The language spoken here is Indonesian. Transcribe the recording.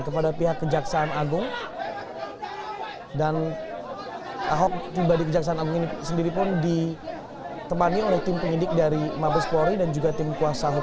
kepada pihak kejaksaan agung dan ahok tiba di kejaksaan agung ini sendiri pun ditemani oleh tim penyidik dari mabespori dan juga tim kuasa hukum